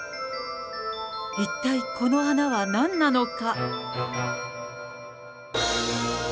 一体この穴はなんなのか。